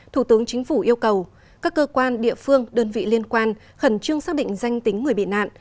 thủ tướng chính phủ yêu cầu các cơ quan địa phương đơn vị liên quan khẩn trương xác định danh tính người bị nạn